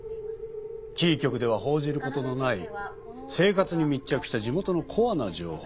キー局では報じることのない生活に密着した地元のコアな情報です。